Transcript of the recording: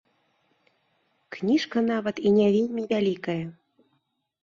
Кніжка нават і не вельмі вялікая.